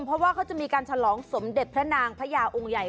เพราะว่าเขาจะมีการฉลองสมเด็จพระนางพระยาองค์ใหญ่